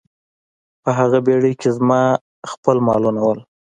په هغه بیړۍ کې زما خپل مالونه وو.